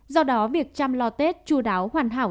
do đó việc chăm lo tết chú đáo hoàn hảo